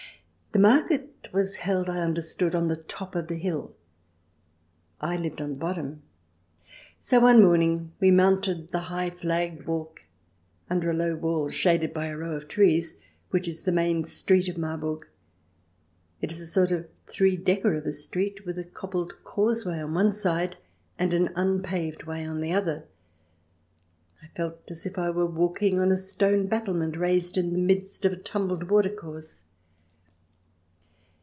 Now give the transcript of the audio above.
The market was held, I understood, on the top of the hill ; I lived at the bottom. So one morning we mounted the high flagged walk under a low wall, shaded by a row of trees, which is the main street of Marburg. It is a sort of three decker of a street, with a cobbled causeway on one side and an unpaved way on the other. I felt as if I were walking on a stone battle ment, raised in the midst of a tumbled watercourse.